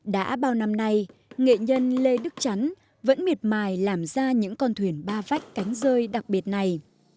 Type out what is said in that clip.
đã bao năm nay nghệ nhân lê đức chắn vẫn miệt mài làm ra những con thuyền ba vách cánh rơi đặc biệt này